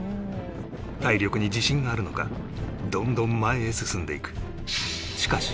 体力に自信があるのかどんどん前へ進んでいく